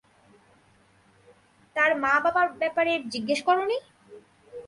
তার মা-বাবার ব্যাপারে জিজ্ঞেস করোনি?